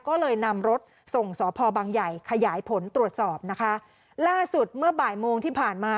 ก็เลยนำรถส่งสพบังใหญ่ขยายผลตรวจสอบนะคะ